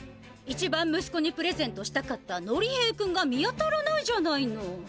一番むすこにプレゼントしたかったのりへいくんが見当たらないじゃないの。